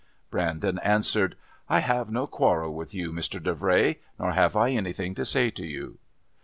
Brandon answered: "I have no quarrel with you, Mr. Davray. Nor have I anything to say to you."